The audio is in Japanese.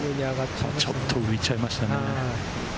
ちょっと浮いちゃいましたね。